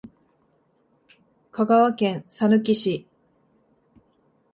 香川県さぬき市